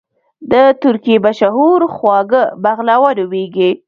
د ترکی مشهور خواږه بغلاوه نوميږي